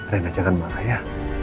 rena jangan marah ya